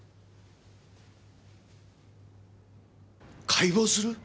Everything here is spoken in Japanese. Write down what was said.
解剖する！？